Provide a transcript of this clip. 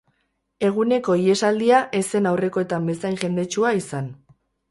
Eguneko ihesaldia ez zen aurrekoetan bezain jendetsua izan.